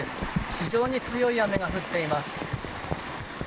非常に強い雨が降っています。